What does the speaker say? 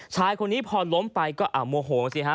ชายคนนี้พอล้มไปก็โมโหสิฮะ